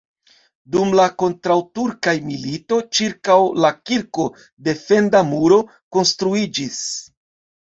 Dum la kontraŭturkaj militoj ĉirkaŭ la kirko defenda muro konstruiĝis.